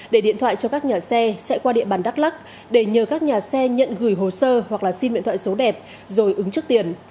để điện thoại cho các nhà xe chạy qua địa bàn đắk lắc để nhờ các nhà xe nhận gửi hồ sơ hoặc là xin điện thoại số đẹp rồi ứng trước tiền